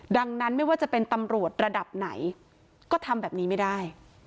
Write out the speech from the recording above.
ดังนั้นไม่ว่าจะเป็นตำรวจระดับไหนก็ทำแบบนี้ไม่ได้